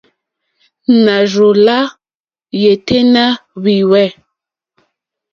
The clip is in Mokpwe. Nà rzô lá yêténá wìhwɛ̂.